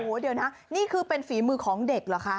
เดี๋ยวนะนี่คือเป็นฝีมือของเด็กเหรอคะ